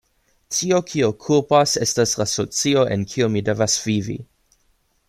Tio, kio kulpas estas la socio en kiu mi devas vivi.